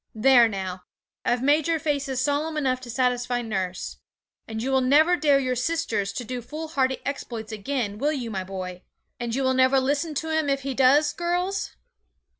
There now! I've made your faces solemn enough to satisfy nurse. And you will never dare your sisters to do foolhardy exploits again, will you, my boy? And you will never listen to him if he does, girls?